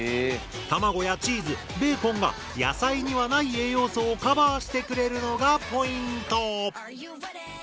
卵やチーズベーコンが野菜にはない栄養素をカバーしてくれるのがポイント。